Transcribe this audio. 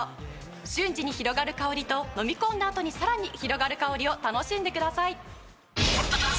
瞬時に広がる香りと飲み込んだあとにさらに広がる香りを楽しんでください。